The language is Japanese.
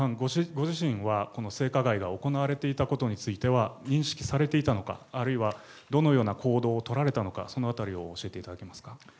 ご自身はこの性加害が行われていたことについては、認識されていたのか、あるいはどのような行動を取られていたのか、そのあたりを教えていただけますか。